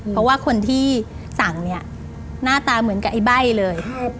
เพราะว่าคนที่สั่งเนี่ยหน้าตาเหมือนกับไอ้ใบ้เลย